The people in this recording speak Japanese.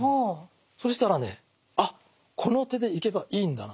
そしたらねあっこの手でいけばいいんだなと。